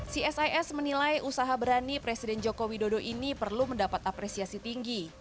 csis menilai usaha berani presiden joko widodo ini perlu mendapat apresiasi tinggi